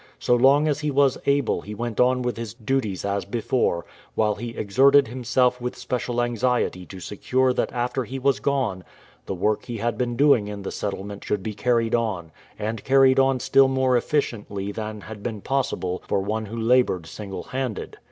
So long as he was able he went on with his duties as before, while he exerted himself with special anxiety to secure that after he was gone the work he had been doing in the settlement should be carried on, and carried on still more efficiently than had been possible for one who laboured single handed.